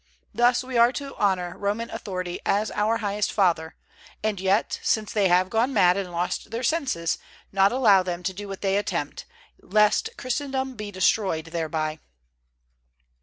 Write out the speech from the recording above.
Thus we are to honor Roman authority as our highest father; and yet, since they have gone mad and lost their senses, not allow them to do what they attempt, lest Christendom be destroyed thereby.